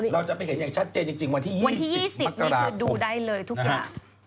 เราจะไปเห็นอย่างชัดเจนจริงวันที่๒๐วันที่๒๐นี่คือดูได้เลยทุกอย่าง